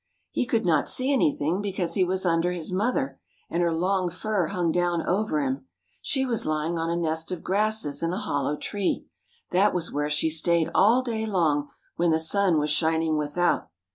He could not see anything because he was under his mother, and her long fur hung down over him. She was lying on a nest of grasses in a hollow tree. That was where she stayed all day long when the sun was shining without.